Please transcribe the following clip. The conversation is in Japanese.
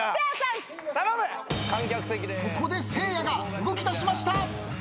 ここでせいやが動きだしました。